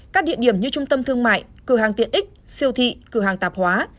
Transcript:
các địa điểm như trung tâm thương mại cửa hàng tiện ích siêu thị cửa hàng tạp hóa